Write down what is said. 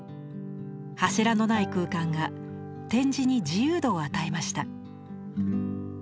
柱のない空間が展示に自由度を与えました。